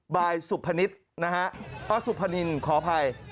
บายสุพนิษฐ์นะฮะอสุพนินขออภัย